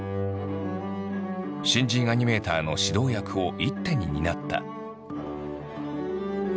新人アニメーターの指導役を一手に担った。